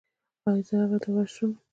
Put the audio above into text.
ایا زه هغه ته ورشم؟